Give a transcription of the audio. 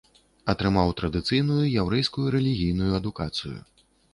Атрымаў традыцыйную яўрэйскую рэлігійную адукацыю.